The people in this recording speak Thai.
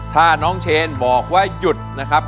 ถ้าน้องเชนบอกว่าหยุดนะครับ